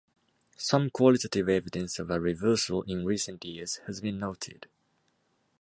Some qualitative evidence of a reversal in recent years has been noted.